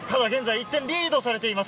１点リードされています。